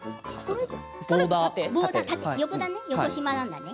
横だね、横しまなんだね。